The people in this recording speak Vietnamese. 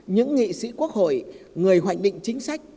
những nghị sĩ quốc hội người hoạch định chính sách